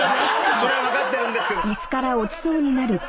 それは分かってるんですけども。